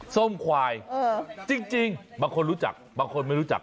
ส้มควายจริงบางคนรู้จักบางคนไม่รู้จัก